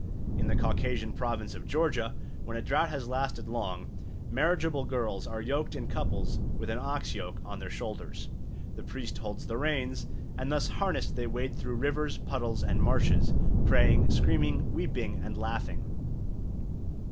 In the Caucasian province of Georgia, when a drought has lasted long, marriageable girls are yoked in couples with an ox yoke on their shoulders, a priest holds the reins, and thus harnessed they wade through rivers, puddles, and marshes, praying, screaming, weeping, and laughing.